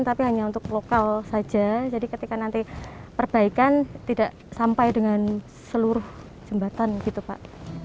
tapi hanya untuk lokal saja jadi ketika nanti perbaikan tidak sampai dengan seluruh jembatan gitu pak